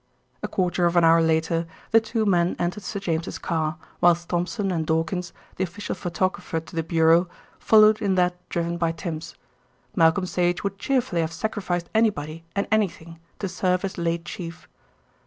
A quarter of an hour later the two men entered Sir James's car, whilst Thompson and Dawkins, the official photographer to the Bureau, followed in that driven by Tims. Malcolm Sage would cheerfully have sacrificed anybody and anything to serve his late chief.